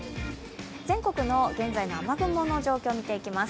全国の現在の雨雲の状況を見ていきます